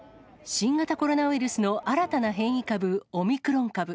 新型コロナウイルスの新たな変異株、オミクロン株。